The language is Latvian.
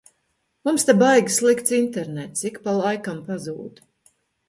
Mums te baigi slikts internets, ik pa laikam pazūd.